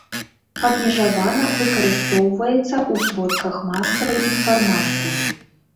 Абмежавана выкарыстоўваецца ў сродках масавай інфармацыі.